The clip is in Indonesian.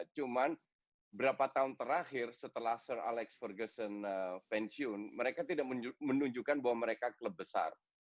cuman berapa tahun terakhir setelah sir alex vergason pensiun mereka tidak menunjukkan bahwa mereka klub besar